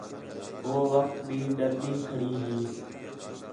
ہو وخت بھی ݙردی کھڑی ہی